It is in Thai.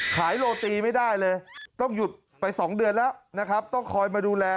โรตีไม่ได้เลยต้องหยุดไป๒เดือนแล้วนะครับต้องคอยมาดูแล